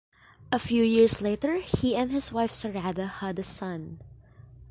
A few years later, he and his wife Sarada had a son.